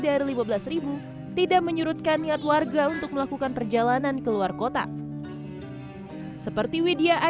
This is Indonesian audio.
dari lima belas tidak menyurutkan niat warga untuk melakukan perjalanan ke luar kota seperti widya